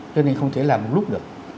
cho nên không thể làm một lúc được